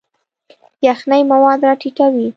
یخنۍ مواد راټیټوي.